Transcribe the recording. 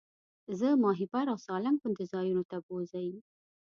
زه ماهیپر او سالنګ غوندې ځایونو ته بوځئ.